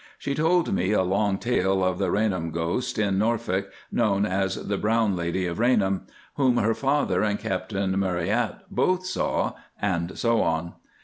She told me a long tale of the Rainham Ghost in Norfolk, known as "The Brown Lady of Rainham," whom her father and Captain Marryat both saw, and so on.